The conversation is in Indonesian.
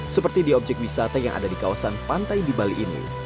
seperti di objek wisata yang ada di kawasan pantai di bali ini